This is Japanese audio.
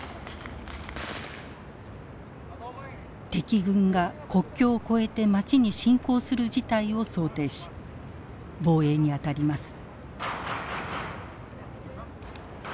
敵軍が国境を越えて街に侵攻する事態を想定し防衛に当たります。